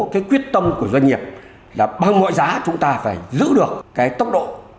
cái quyết tâm của doanh nghiệp là bằng mọi giá chúng ta phải giữ được cái tốc độ